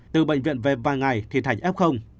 từ bệnh viện về vài ngày thì thành f